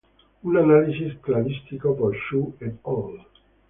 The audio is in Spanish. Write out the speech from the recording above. Un análisis cladístico por Xu "et al.